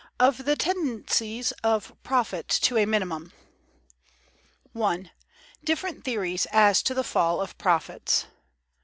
Of The Tendency Of Profits To A Minimum. § 1. Different Theories as to the fall of Profits.